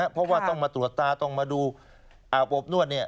เพราะว่าต้องมาตรวจตาต้องมาดูอาบอบนวดเนี่ย